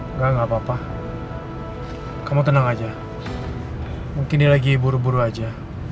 enggak enggak apa apa kamu tenang aja mungkin dia lagi buru buru aja